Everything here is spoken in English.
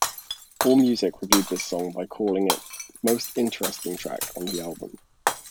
AllMusic reviewed this song by calling it "most interesting" track on the album.